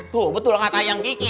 tuh betul katanya yang kiki